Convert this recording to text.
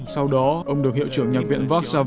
sau đó ông được hiệu trưởng nhạc viện vác xava